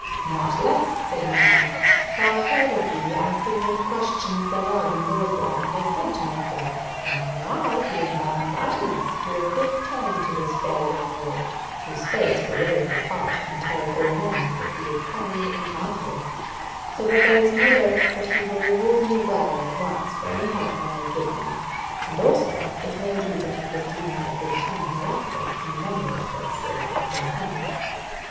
"Naught less," said Morfinn. "For I heard of thee asking many questions thereof in Goldburg, and I said to myself, now may I, who am bound for Utterness, do a good turn to this fair young lord, whose face bewrayeth his heart, and telleth all men that he is kind and bounteous; so that there is no doubt but he will reward me well at once for any help I may give him; and also it may be that he will do me a good turn hereafter in memory of this that I have done him."